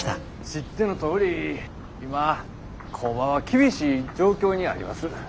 知ってのとおり今工場は厳しい状況にあります。